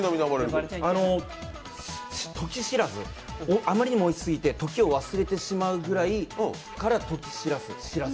トキシラス、あまりにもおいしすぎて、時を忘れてしまうぐらいからときしらす、しらす？